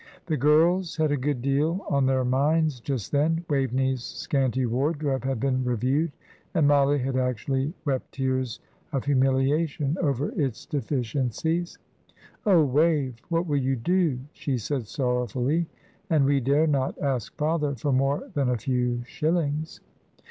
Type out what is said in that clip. The girls had a good deal on their minds just then. Waveney's scanty wardrobe had been reviewed, and Mollie had actually wept tears of humiliation over its deficiencies. "Oh, Wave, what will you do?" she said, sorrowfully. "And we dare not ask father for more than a few shillings!"